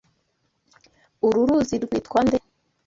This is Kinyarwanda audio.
Uru ruzi rwitwa nde?